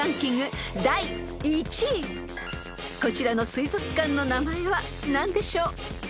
［こちらの水族館の名前は何でしょう？］